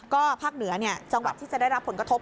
ภาคเหนือจังหวัดที่จะได้รับผลกระทบ